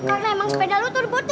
karena emang sepeda lu tuh dibutuh